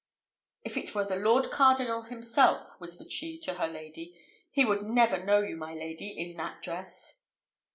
"If it were the lord cardinal himself," whispered she to her lady, "he would never know you, my lady, in that dress."